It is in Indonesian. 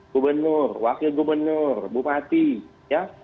gubernur wakil gubernur bupati ya